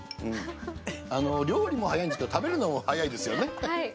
料理も早いんですけど食べるのも早いですよね。